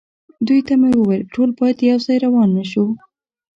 دوی ته مې وویل: ټول باید یو ځای روان نه شو.